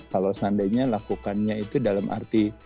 kalau seandainya lakukannya itu dalam arti